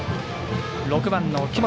６番の木本。